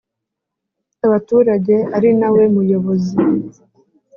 abaturage ari na we Muyobozi